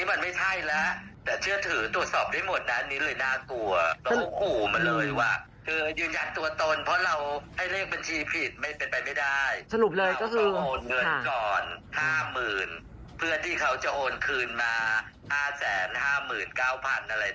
เพื่อที่เขาจะโอนคืนมา๕๕๙๐๐๐บาทอะไรนั่น